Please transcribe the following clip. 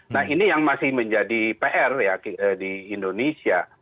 nah ini yang masih menjadi pr ya di indonesia